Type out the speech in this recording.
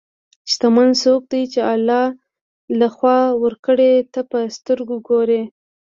شتمن څوک دی چې د الله له خوا ورکړې ته په سترګو ګوري.